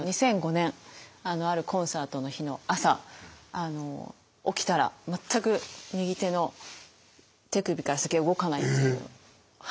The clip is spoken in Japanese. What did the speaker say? ２００５年あるコンサートの日の朝起きたら全く右手の手首から先が動かないっていう。